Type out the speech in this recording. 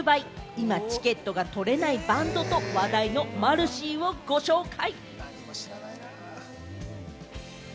今チケットが取れないバンドと話題のマルシィをご紹介。